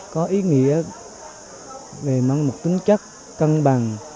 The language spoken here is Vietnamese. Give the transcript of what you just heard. một môi trường có ý nghĩa về mang một tính chất cân bằng